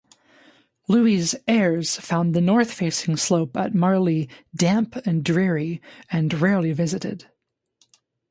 Louis' heirs found the north-facing slope at Marly damp and dreary, and rarely visited.